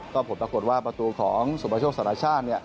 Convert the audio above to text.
ก็ผลปรากฏว่าประตูของสุประโชคสารชาติ